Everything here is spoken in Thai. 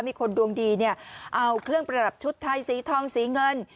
มีคนดวงดีเนี่ยเอาเครื่องประดับชุดไทยสีทองสีเงิน